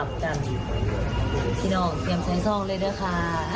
ที่น้องเตรียมใช้ซองเลยด้วยค่ะ